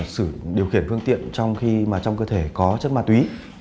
sử điều khiển phương tiện trong khi mà trong cơ thể có chất ma túy